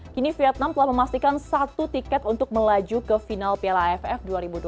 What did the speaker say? kini vietnam telah memastikan satu tiket untuk melaju ke final piala aff dua ribu dua puluh